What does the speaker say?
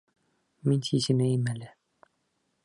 Мин сисенәйем әле.